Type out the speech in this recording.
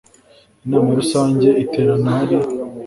inama rusange iterana hari